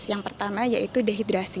yang pertama yaitu dehidrasi